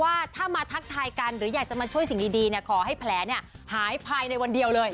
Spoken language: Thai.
ว่าถ้ามาทักทายกันหรืออยากจะมาช่วยสิ่งดีขอให้แผลหายภายในวันเดียวเลย